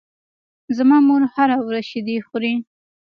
زما مور هره ورځ شیدې خوري.